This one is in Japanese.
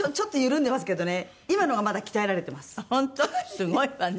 すごいわね。